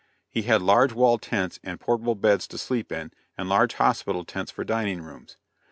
He had large wall tents and portable beds to sleep in, and large hospital tents for dining rooms.